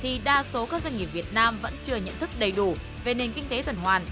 thì đa số các doanh nghiệp việt nam vẫn chưa nhận thức đầy đủ về nền kinh tế tuần hoàn